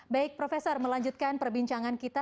baik profesor melanjutkan perbincangan kita